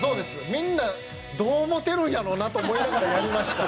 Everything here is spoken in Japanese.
みんなどう思ってるんやろうな？と思いながらやりました。